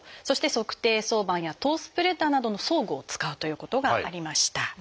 そして足底挿板やトースプレッダーなどの装具を使うということがありました。